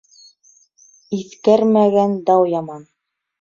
Иҫкәрмәгән дау яман.